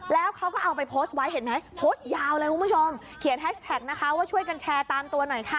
แล้วเขาก็เอาไปโพสต์ไว้เห็นไหมโพสต์ยาวเลยคุณผู้ชมเขียนแฮชแท็กนะคะว่าช่วยกันแชร์ตามตัวหน่อยค่ะ